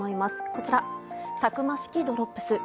こちら、サクマ式ドロップス。